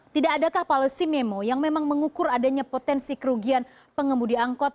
tidak adakah policy memo yang memang mengukur adanya potensi kerugian pengemudi angkot